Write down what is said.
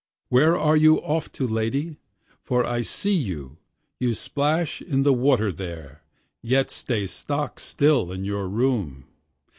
Where are you off to, lady? for I see you, You splash in the water there, yet stay stock still in your room.